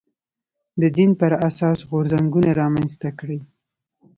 د دین پر اساس غورځنګونه رامنځته کړي